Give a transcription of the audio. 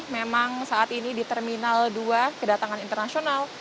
memang saat ini di terminal dua kedatangan internasional